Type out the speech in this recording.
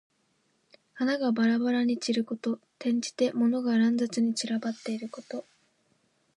花がばらばらに散ること。転じて、物が乱雑に散らばっていること。